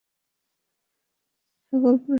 সকল প্রশংসা আল্লাহরই জন্য।